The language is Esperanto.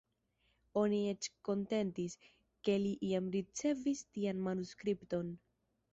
Oni eĉ kontestis, ke li iam ricevis tian manuskripton.